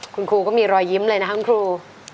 คุณครูก็มีรอยยิ้มเลยนะครับคุณครู